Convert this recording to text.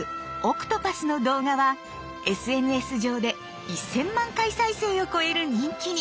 「海蛸子」の動画はＳＮＳ上で１，０００万回再生を超える人気に。